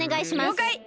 りょうかい！